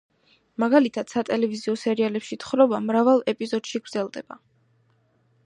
მაგალითად, სატელევიზიო სერიალებში თხრობა მრავალ ეპიზოდში გრძელდება.